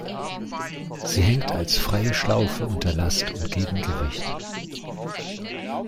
Sie hängt als freie Schlaufe unter Last und Gegengewicht.